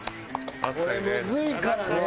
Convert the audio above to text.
これむずいからね。